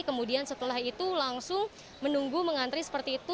kemudian setelah itu langsung menunggu mengantri seperti itu